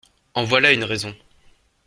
En voilà une raison !